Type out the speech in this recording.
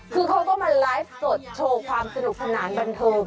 คือเขาก็มาไลฟ์สดโชว์ความสนุกสนานบันเทิง